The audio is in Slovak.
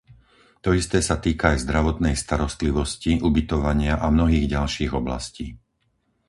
To isté sa týka aj zdravotnej starostlivosti, ubytovania a mnohých ďalších oblastí.